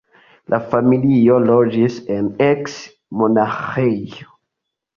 La familio loĝis en eks-monaĥejo.